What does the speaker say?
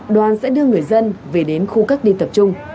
đoàn sẽ đưa người dân về đến khu các đi tập trung